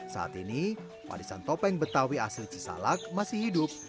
saat ini warisan topeng betawi asli cisalak masih hidup